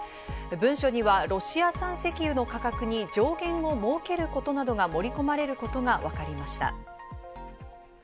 文書にはロシア産石油の価格に上限を設けることなどが盛り込まれることがわかりました。